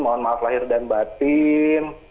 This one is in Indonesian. mohon maaf lahir dan batin